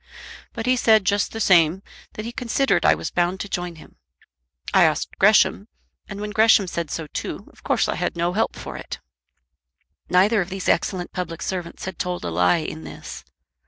But he said just the same! that he considered I was bound to join him. I asked Gresham, and when Gresham said so too, of course I had no help for it." Neither of these excellent public servants had told a lie in this.